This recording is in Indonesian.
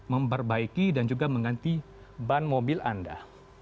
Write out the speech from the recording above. memperbaiki dan juga mengganti ban mobil anda